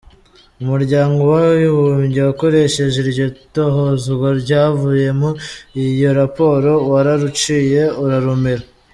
Umuryango w’Abibumbye wakoresheje iryo tohozwa ryavuyemo iyo raporo wararuciye urarumira.